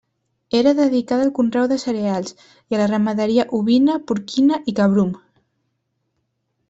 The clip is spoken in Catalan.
Era dedicada al conreu de cereals, i a la ramaderia ovina, porquina i cabrum.